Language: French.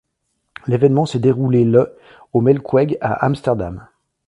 L'évènement s'est déroulé le au Melkweg à Amsterdam.